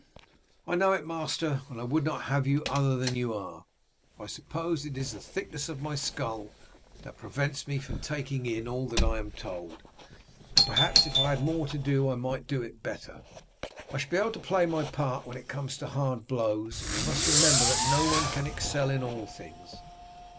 "I know it, master, and I would not have you other than you are. I suppose it is the thickness of my skull that prevents me from taking in all that I am told, and perhaps if I had more to do I might do it better. I shall be able to play my part when it comes to hard blows, and you must remember that no one can excel in all things.